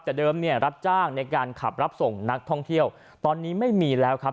แต่เดิมเนี่ยรับจ้างในการขับรับส่งนักท่องเที่ยวตอนนี้ไม่มีแล้วครับ